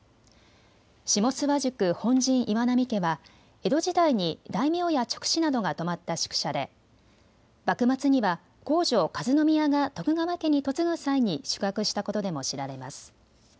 下諏訪宿本陣岩波家は江戸時代に大名や勅使などが泊まった宿舎で幕末には皇女・和宮が徳川家に嫁ぐ際に宿泊したことでも知られます。